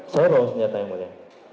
saya bawa senjata yang mulia